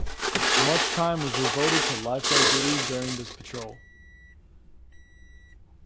Much time was devoted to lifeguard duty during this patrol.